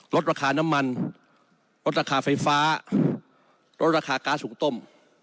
ลดราคาน้ำมันลดราคาไฟฟ้าลดราคาก๊าซหุงต้ม